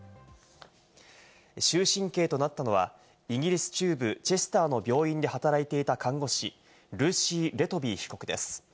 終身刑となったのは、イギリス中部チェスターの病院で働いていた看護師、ルーシー・レトビー被告です。